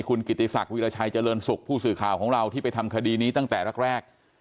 คุณกิติศักดิราชัยเจริญสุขผู้สื่อข่าวของเราที่ไปทำคดีนี้ตั้งแต่แรก